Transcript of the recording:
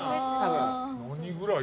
何ぐらい。